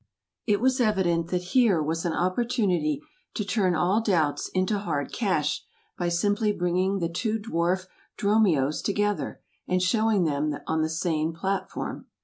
It was evident that here was an opportunity to turn all doubts into hard cash by simply bringing the two dwarf Dromios together, and showing them on the same platform.